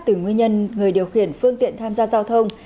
từ nguyên nhân người điều khiển phương tiện tham gia giao thông